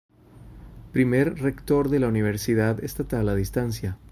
Primer Rector de la Universidad Estatal a Distancia.